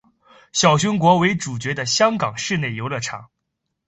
小熊国为主角的香港室内游乐场。